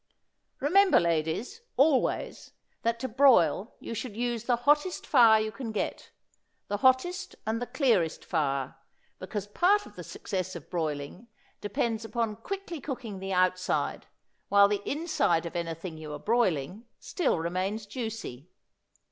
Remember, ladies, always, that to broil you should use the hottest fire you can get the hottest and the clearest fire, because part of the success of broiling depends upon quickly cooking the outside, while the inside of anything you are broiling still remains juicy.